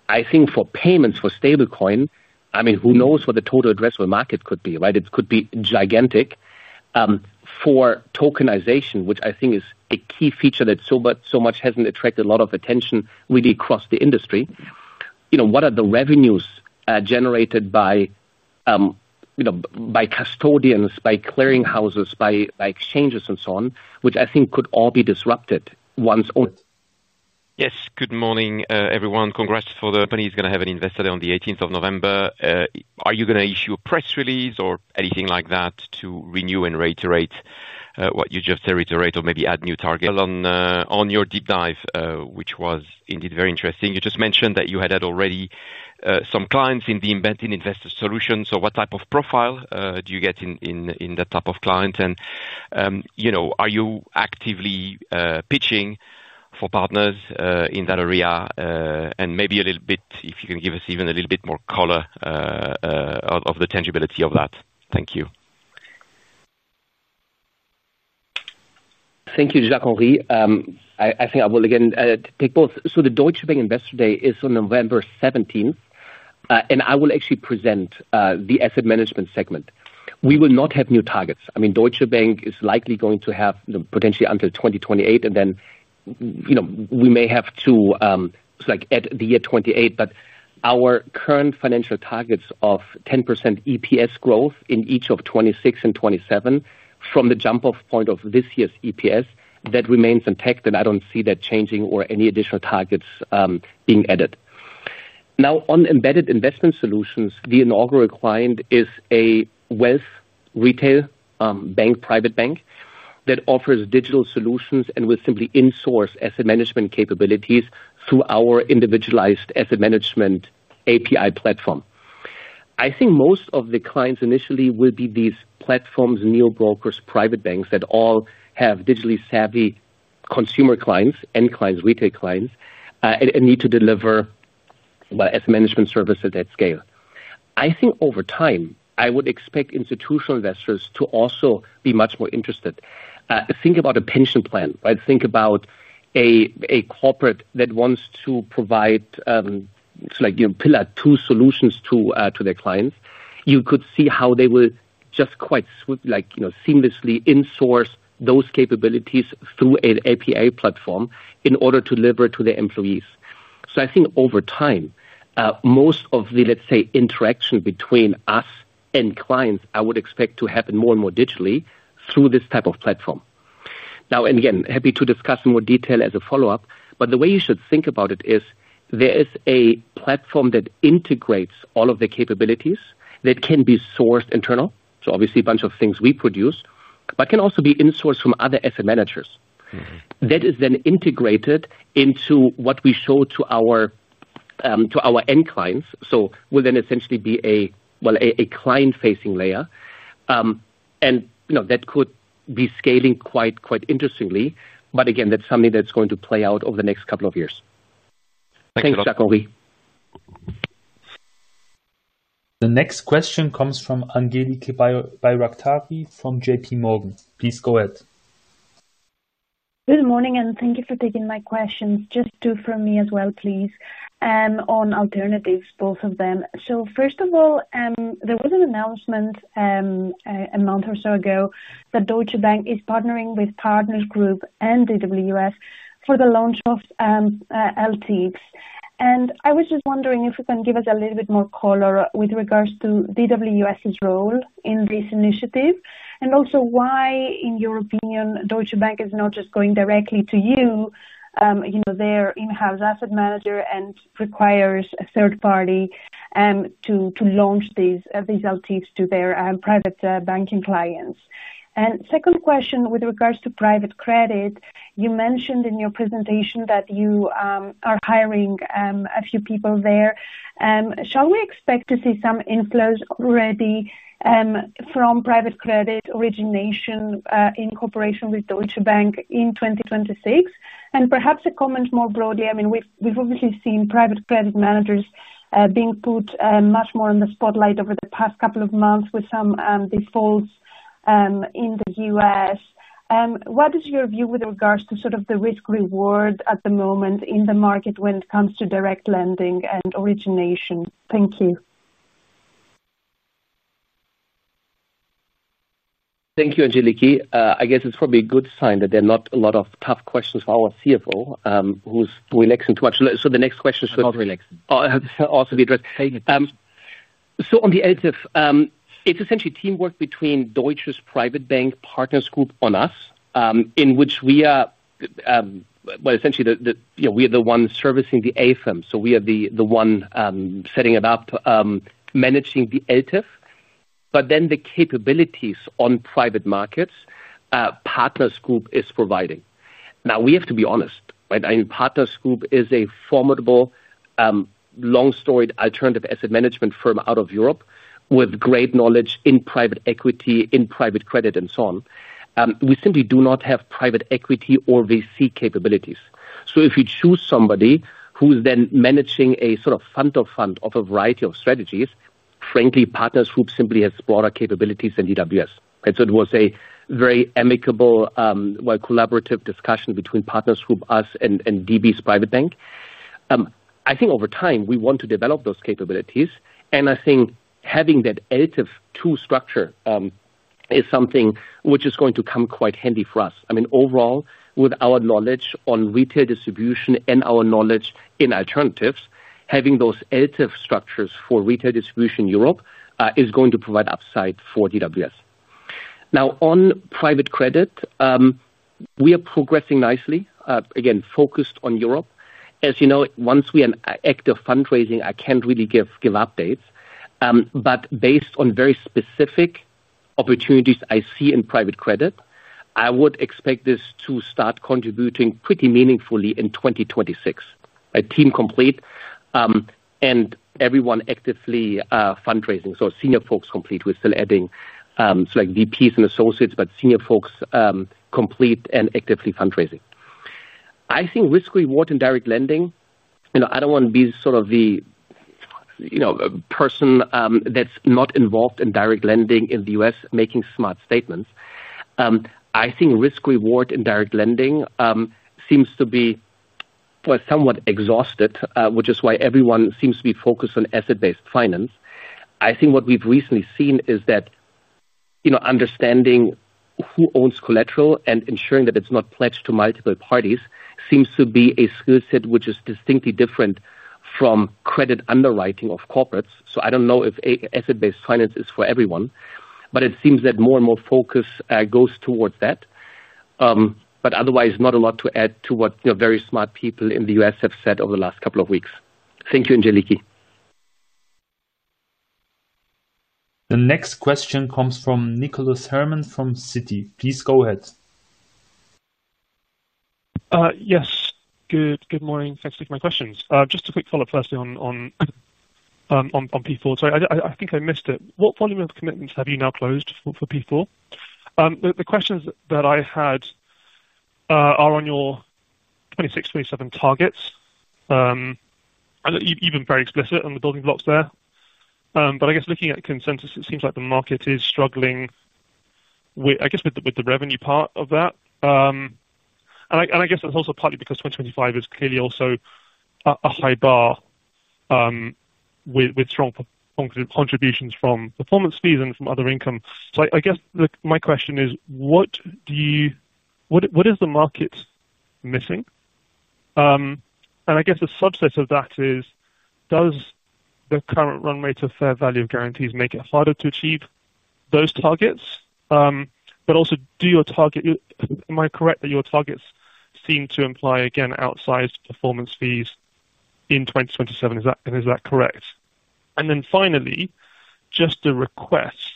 I think for payments for stablecoin, I mean, who knows what the total addressable market could be, right? It could be gigantic. For tokenization, which I think is a key feature that so much hasn't attracted a lot of attention really across the industry, you know, what are the revenues generated by custodians, by clearing houses, by exchanges, and so on, which I think could all be disrupted once only. Yes, good morning, everyone. Congrats. Company is going to have an investor day on the eighteenth of November. Are you going to issue a press release or anything like that to renew and reiterate what you just said, reiterate or maybe add new targets? On your deep dive, which was indeed very interesting, you just mentioned that you had already some clients in the embedded investment solution. What type of profile do you get in that type of client? Are you actively pitching for partners in that area? If you can give us even a little bit more color of the tangibility of that. Thank you. Thank you, Jacques Henry. I think I will again take both. The Deutsche Bank Investor Day is on November 17th, and I will actually present the asset management segment. We will not have new targets. Deutsche Bank is likely going to have potentially until 2028, and then, you know, we may have to add the year 2028. Our current financial targets of 10% EPS growth in each of 2026 and 2027 from the jump-off point of this year's EPS, that remains intact, and I don't see that changing or any additional targets being added. Now, on embedded investment solutions, the inaugural client is a wealth retail bank, private bank that offers digital solutions and will simply insource asset management capabilities through our individualized asset management API platform. I think most of the clients initially will be these platforms, neobrokers, private banks that all have digitally savvy consumer clients, end clients, retail clients, and need to deliver asset management services at scale. I think over time, I would expect institutional investors to also be much more interested. Think about a pension plan, right? Think about a corporate that wants to provide, like, you know, pillar two solutions to their clients. You could see how they will just quite seamlessly insource those capabilities through an APA platform in order to deliver to their employees. I think over time, most of the, let's say, interaction between us and clients, I would expect to happen more and more digitally through this type of platform. Happy to discuss in more detail as a follow-up, but the way you should think about it is there is a platform that integrates all of the capabilities that can be sourced internal. Obviously, a bunch of things we produce, but can also be insourced from other asset managers. That is then integrated into what we show to our end clients. We'll then essentially be a client-facing layer. You know, that could be scaling quite interestingly. That's something that's going to play out over the next couple of years. Thank you, Jacques Henry. The next question comes from Angeliki Bairaktari from JPMorgan. Please go ahead. Good morning, and thank you for taking my questions. Just two from me as well, please, on alternatives, both of them. First of all, there was an announcement a month or so ago that Deutsche Bank is partnering with Partners Group and DWS for the launch of ELTIF. I was just wondering if you can give us a little bit more color with regards to DWS's role in this initiative and also why, in your opinion, Deutsche Bank is not just going directly to you, their in-house asset manager, and requires a third party to launch these ELTIF to their private banking clients. Second question with regards to private credit, you mentioned in your presentation that you are hiring a few people there. Shall we expect to see some inflows already from private credit origination in cooperation with Deutsche Bank in 2026? Perhaps a comment more broadly. I mean, we've obviously seen private credit managers being put much more in the spotlight over the past couple of months with some defaults in the U.S. What is your view with regards to sort of the risk-reward at the moment in the market when it comes to direct lending and origination? Thank you. Thank you, Angelica. I guess it's probably a good sign that there are not a lot of tough questions for our CFO, who's relaxing too much. The next question should not relax. I'll also be addressed. On the ELTIF, it's essentially teamwork between Deutsche Bank's private bank, Partners Group, and us, in which we are, essentially, you know, we are the one servicing the A firm. We are the one setting it up, managing the ELTIF. The capabilities on private markets, Partners Group is providing. Now, we have to be honest, right? Partners Group is a formidable, long-storied alternative asset management firm out of Europe with great knowledge in private equity, in private credit, and so on. We simply do not have private equity or VC capabilities. If you choose somebody who's then managing a sort of fund of fund of a variety of strategies, frankly, Partners Group simply has broader capabilities than DWS. It was a very amicable, collaborative discussion between Partners Group, us, and Deutsche Bank's private bank. I think over time, we want to develop those capabilities. I think having that ELTIF two structure is something which is going to come quite handy for us. Overall, with our knowledge on retail distribution and our knowledge in alternatives, having those ELTIF structures for retail distribution in Europe is going to provide upside for DWS. On private credit, we are progressing nicely, again, focused on Europe. As you know, once we are active fundraising, I can't really give updates. Based on very specific opportunities I see in private credit, I would expect this to start contributing pretty meaningfully in 2026. A team complete and everyone actively fundraising. Senior folks complete. We're still adding VPs and associates, but senior folks complete and actively fundraising. I think risk-reward in direct lending, you know, I don't want to be sort of the person that's not involved in direct lending in the U.S. making smart statements. I think risk-reward in direct lending seems to be, somewhat exhausted, which is why everyone seems to be focused on asset-based finance. What we've recently seen is that, you know, understanding who owns collateral and ensuring that it's not pledged to multiple parties seems to be a skill set which is distinctly different from credit underwriting of corporates. I don't know if asset-based finance is for everyone, but it seems that more and more focus goes towards that. Otherwise, not a lot to add to what very smart people in the U.S. have said over the last couple of weeks. Thank you, Angelica. The next question comes from Nicholas Herman from Citi. Please go ahead. Yes, good morning. Thanks for taking my questions. Just a quick follow-up firstly on PEIF IV. Sorry, I think I missed it. What volume of commitments have you now closed for PEIF IV? The questions that I had are on your 2026, 2027 targets. You've been very explicit on the building blocks there. I guess looking at consensus, it seems like the market is struggling, I guess, with the revenue part of that. I guess that's also partly because 2025 is clearly also a high bar with strong contributions from performance fees and from other income. My question is, what do you, what is the market missing? A subset of that is, does the current run rate of fair value of guarantees make it harder to achieve those targets? Do your targets, am I correct that your targets seem to imply, again, outsized performance fees in 2027? Is that correct? Finally, just a request,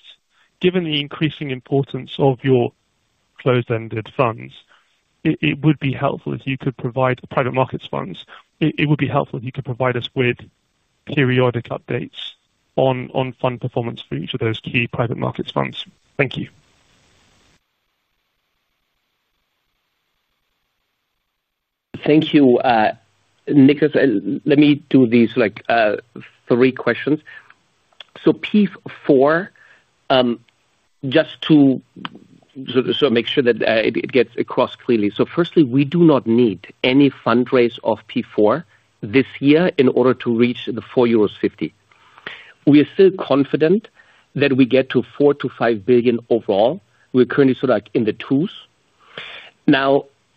given the increasing importance of your closed-ended funds, it would be helpful if you could provide private markets funds. It would be helpful if you could provide us with periodic updates on fund performance for each of those key private markets funds. Thank you. Thank you, Nicholas. Let me do these three questions. PEIF IV, just to make sure that it gets across clearly. Firstly, we do not need any fundraise of PEIF IV this year in order to reach the 4.50 euros. We are still confident that we get to 4 billion-5 billion overall. We're currently sort of like in the twos.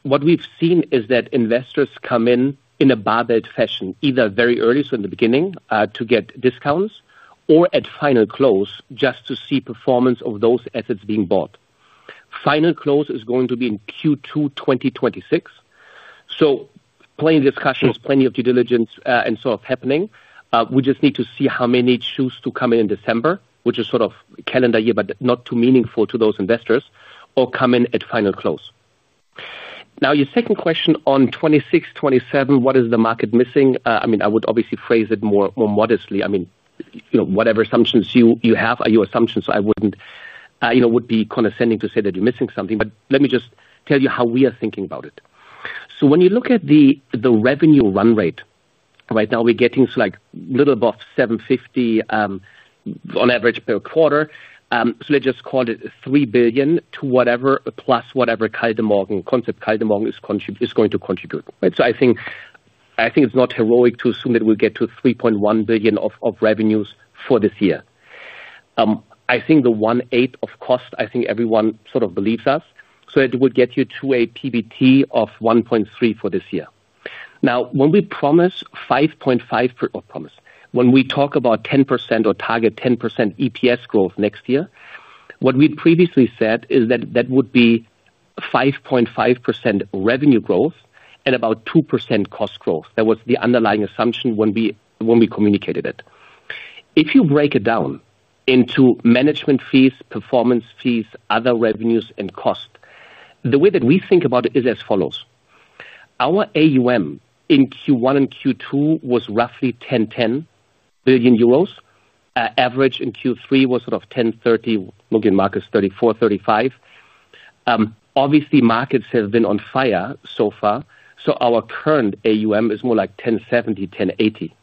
What we've seen is that investors come in in a barbelled fashion, either very early, in the beginning, to get discounts, or at final close, just to see performance of those assets being bought. Final close is going to be in Q2 2026. Plenty of discussions, plenty of due diligence, and so on happening. We just need to see how many choose to come in in December, which is sort of calendar year, but not too meaningful to those investors, or come in at final close. Your second question on 2026, 2027, what is the market missing? I would obviously phrase it more modestly. Whatever assumptions you have are your assumptions. I wouldn't, you know, would be condescending to say that you're missing something. Let me just tell you how we are thinking about it. When you look at the revenue run rate, right now, we're getting to like a little above 750 million on average per quarter. Let's just call it 3 billion to whatever plus whatever Concept Kaldemorgen is going to contribute. I think it's not heroic to assume that we'll get to 3.1 billion of revenues for this year. I think the one eighth of cost, I think everyone sort of believes us. It would get you to a PBT of 1.3 billion for this year. When we promise 5.5%, or promise, when we talk about 10% or target 10% EPS growth next year, what we previously said is that that would be 5.5% revenue growth and about 2% cost growth. That was the underlying assumption when we communicated it. If you break it down into management fees, performance fees, other revenues, and cost, the way that we think about it is as follows. Our AUM in Q1 and Q2 was roughly 10.10 billion euros. Average in Q3 was sort of 10.30 billion, looking at markets 34 billion, 35 billion. Obviously, markets have been on fire so far. Our current AUM is more like 10.70 billion, 10.80 billion.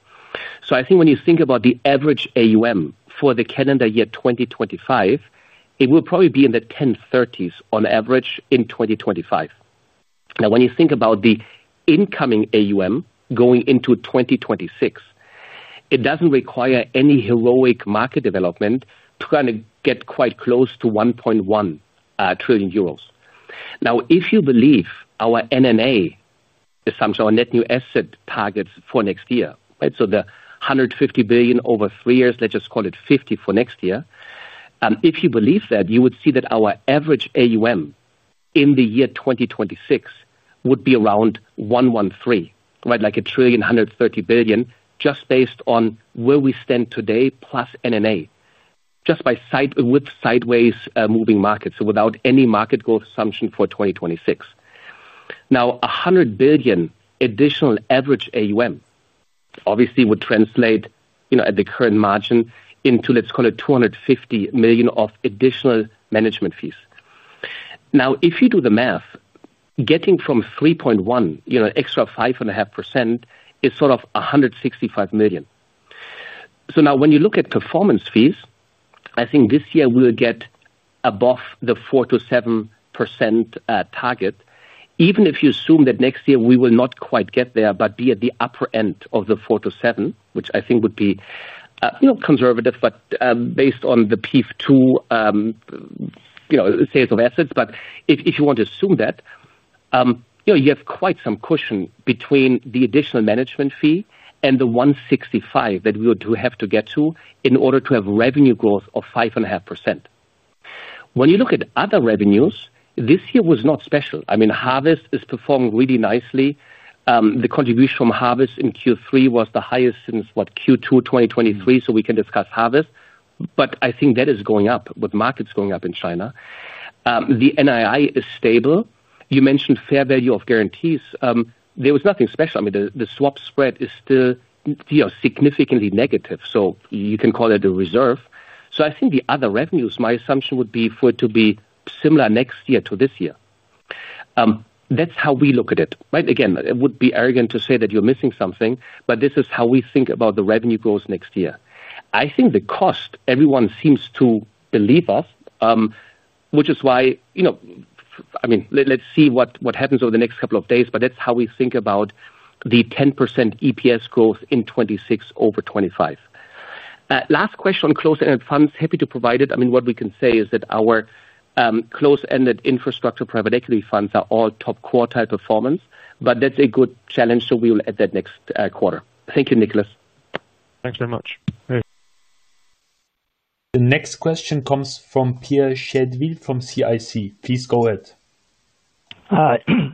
I think when you think about the average AUM for the calendar year 2025, it will probably be in the 10.30 billions on average in 2025. Now, when you think about the incoming AUM going into 2026, it doesn't require any heroic market development to kind of get quite close to 1.1 trillion euros. Now, if you believe our NNA assumption or net new asset targets for next year, right, so the 150 billion over three years, let's just call it 50 billion for next year. If you believe that, you would see that our average AUM in the year 2026 would be around 1.13 trillion, right, like a trillion, one hundred thirty billion, just based on where we stand today plus NNA, just by sideways moving markets, without any market growth assumption for 2026. Now, 100 billion additional average AUM obviously would translate, you know, at the current margin into, let's call it, 250 million of additional management fees. If you do the math, getting from 3.1 billion, you know, an extra 5.5% is sort of 165 million. Now, when you look at performance fees, I think this year we'll get above the 4%-7% target, even if you assume that next year we will not quite get there, but be at the upper end of the 4%-7%, which I think would be, you know, conservative, but based on the PEIF II, you know, sales of assets. If you want to assume that, you know, you have quite some cushion between the additional management fee and the 165 million that we would have to get to in order to have revenue growth of 5.5%. When you look at other revenues, this year was not special. I mean, Harvest is performing really nicely. The contribution from Harvest in Q3 was the highest since, what, Q2 2023, so we can discuss Harvest. I think that is going up with markets going up in China. The NII is stable. You mentioned fair value of guarantees. There was nothing special. The swap spread is still, you know, significantly negative. You can call it a reserve. I think the other revenues, my assumption would be for it to be similar next year to this year. That's how we look at it, right? It would be arrogant to say that you're missing something, but this is how we think about the revenue growth next year. I think the cost, everyone seems to believe of, which is why, you know, I mean, let's see what happens over the next couple of days, but that's how we think about the 10% EPS growth in 2026 over 2025. Last question on closed-ended funds, happy to provide it. I mean, what we can say is that our closed-ended infrastructure private equity funds are all top quartile performance, but that's a good challenge, so we will add that next quarter. Thank you, Nicholas. Thanks very much. The next question comes from Pierre Chédeville from CIC. Please go ahead.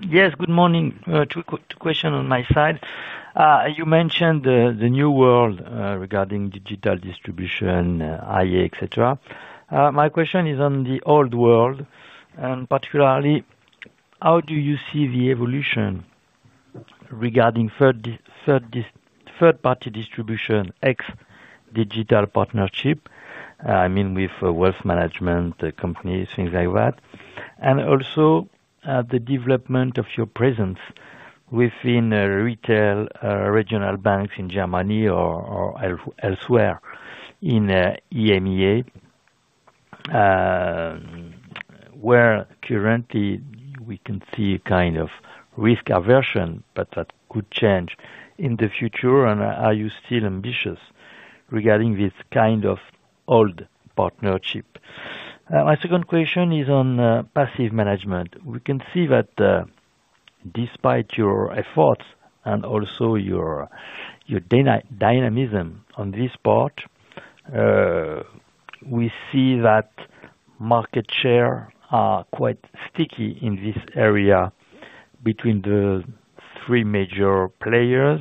Yes, good morning. Two questions on my side. You mentioned the new world regarding digital distribution, AI, et cetera. My question is on the old world, particularly, how do you see the evolution regarding third-party distribution ex-digital partnership? I mean, with wealth management companies, things like that. Also, the development of your presence within retail regional banks in Germany or elsewhere in EMEA, where currently we can see a kind of risk aversion, but that could change in the future. Are you still ambitious regarding this kind of old partnership? My second question is on passive management. We can see that despite your efforts and also your dynamism on this part, we see that market shares are quite sticky in this area between the three major players.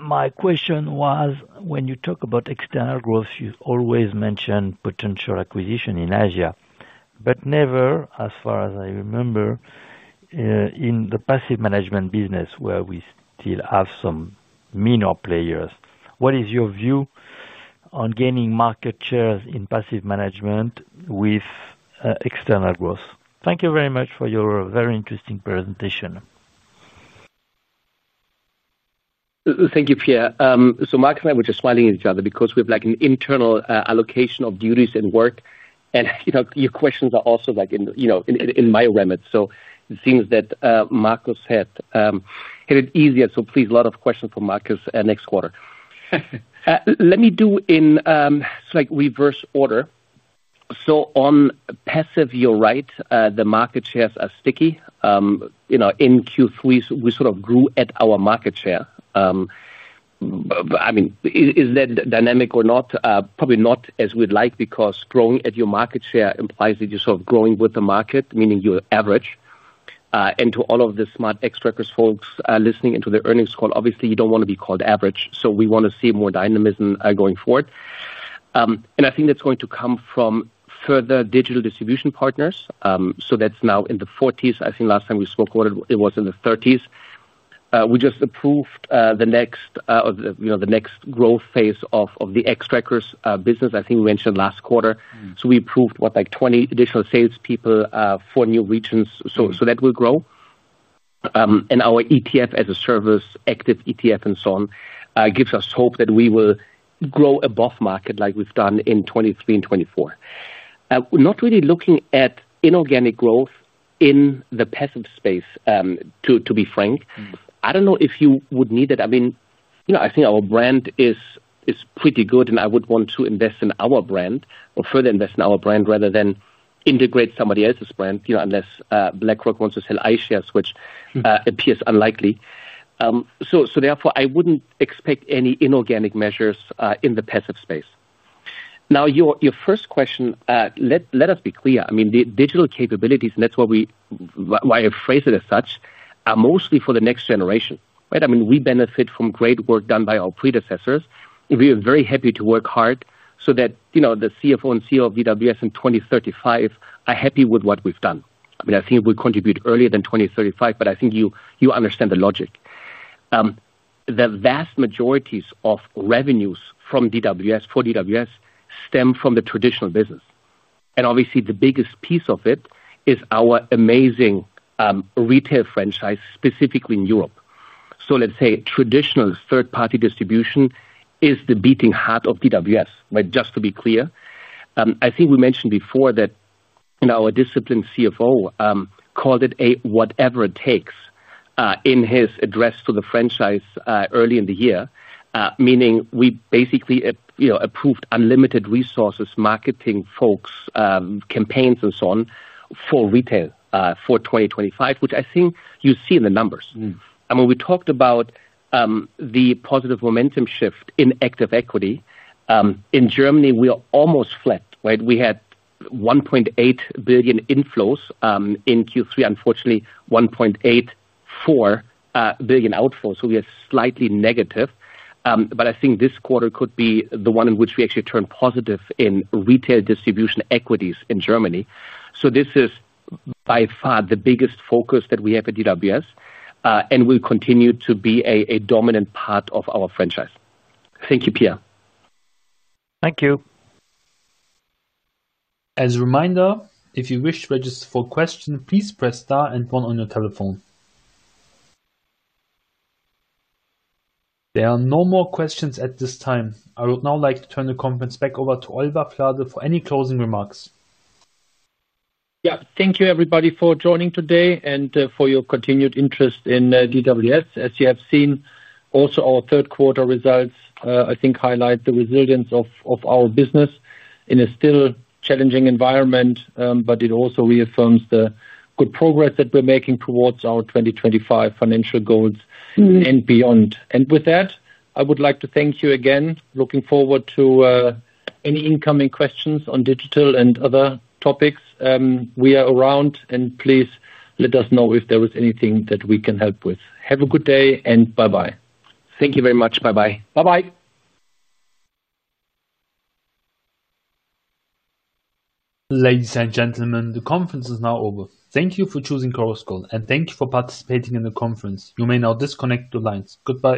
My question was, when you talk about external growth, you always mention potential acquisition in Asia, but never, as far as I remember, in the passive management business where we still have some minor players. What is your view on gaining market shares in passive management with external growth? Thank you very much for your very interesting presentation. Thank you, Pierre. Mark and I were just smiling at each other because we have an internal allocation of duties and work. Your questions are also in my remit, so things that Markus said had it easier. Please, a lot of questions for Markus next quarter. Let me do in reverse order. On passive, you're right, the market shares are sticky. In Q3, we sort of grew at our market share. Is that dynamic or not? Probably not as we'd like because growing at your market share implies that you're sort of growing with the market, meaning you're average. To all of the smart Xtrackers folks listening into the earnings call, obviously, you don't want to be called average. We want to see more dynamism going forward. I think that's going to come from further digital distribution partners. That's now in the forties. I think last time we spoke about it, it was in the thirties. We just approved the next growth phase of the Xtrackers business. I think you mentioned last quarter. We approved, what, twenty additional salespeople for new regions. That will grow. Our ETF as a service, active ETF, and so on gives us hope that we will grow above market like we've done in 2023 and 2024. Not really looking at inorganic growth in the passive space, to be frank. I don't know if you would need that. I think our brand is pretty good, and I would want to invest in our brand or further invest in our brand rather than integrate somebody else's brand, unless BlackRock wants to sell iShares, which appears unlikely. Therefore, I wouldn't expect any inorganic measures in the passive space. Now, your first question, let us be clear. The digital capabilities, and that's why I phrase it as such, are mostly for the next generation. We benefit from great work done by our predecessors. We are very happy to work hard so that the CFO and CEO of DWS in 2035 are happy with what we've done. I think we contribute earlier than 2035, but I think you understand the logic. The vast majority of revenues for DWS stem from the traditional business. Obviously, the biggest piece of it is our amazing retail franchise, specifically in Europe. Let's say traditional third-party distribution is the beating heart of DWS, right? Just to be clear, I think we mentioned before that our disciplined CFO called it a whatever it takes in his address to the franchise early in the year, meaning we basically approved unlimited resources, marketing folks, campaigns, and so on for retail for 2025, which I think you see in the numbers. When we talked about the positive momentum shift in active equity, in Germany, we are almost flat, right? We had 1.8 billion inflows in Q3, unfortunately, 1.84 billion outflows. We are slightly negative. I think this quarter could be the one in which we actually turn positive in retail distribution equities in Germany. This is by far the biggest focus that we have at DWS and will continue to be a dominant part of our franchise. Thank you, Pierre. Thank you. As a reminder, if you wish to register for questions, please press star and pound on your telephone. There are no more questions at this time. I would now like to turn the conference back over to Oliver Flade for any closing remarks. Thank you, everybody, for joining today and for your continued interest in DWS. As you have seen, also our third quarter results, I think, highlight the resilience of our business in a still challenging environment. It also reaffirms the good progress that we're making towards our 2025 financial goals and beyond. With that, I would like to thank you again. Looking forward to any incoming questions on digital and other topics. We are around, and please let us know if there is anything that we can help with. Have a good day and bye-bye. Thank you very much. Bye-bye. Bye-bye. Ladies and gentlemen, the conference is now over. Thank you for choosing Corosco, and thank you for participating in the conference. You may now disconnect the lines. Goodbye.